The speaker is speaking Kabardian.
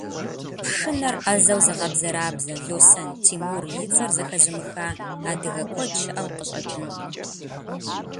Пшынэр ӏэзэу зыгъэбзэрабзэ Лосэн Тимур и цӏэр зэхэзымыха адыгэ куэд щыӏэу къыщӏэкӏынкъым.